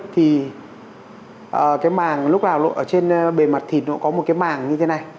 thì cái màng lúc nào ở trên bề mặt thì nó có một cái màng như thế này